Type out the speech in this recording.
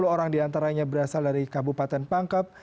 dua puluh orang diantaranya berasal dari kabupaten pangkep